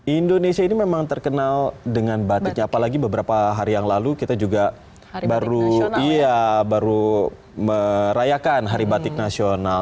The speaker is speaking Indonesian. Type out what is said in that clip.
indonesia ini memang terkenal dengan batiknya apalagi beberapa hari yang lalu kita juga baru merayakan hari batik nasional